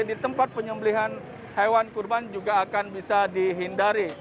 di tempat penyembelihan hewan kurban juga akan bisa dihindari